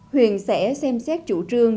huyện sẽ xem xét chủ trương